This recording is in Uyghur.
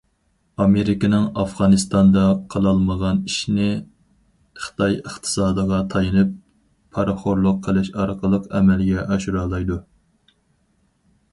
ئامېرىكىنىڭ ئافغانىستاندا قىلالمىغان ئىشنى خىتاي ئىقتىسادىغا تايىنىپ پارىخورلۇق قىلىش ئارقىلىق ئەمەلگە ئاشۇرالايدۇ.